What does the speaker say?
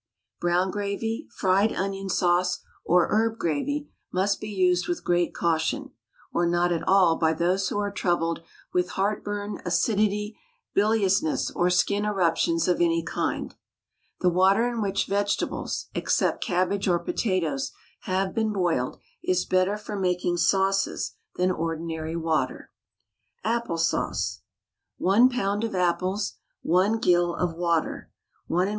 Brown Gravy, Fried Onion Sauce, or Herb Gravy must be used with great caution, or not at all by those who are troubled with heartburn, acidity, biliousness, or skin eruptions of any kind. The water in which vegetables (except cabbage or potatoes) have been boiled is better for making sauces than ordinary water. APPLE SAUCE. 1 lb. of apples, 1 gill of water, 1 1/2 oz.